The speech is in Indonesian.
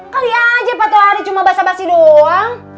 kali aja pak tauri cuma basah basih doang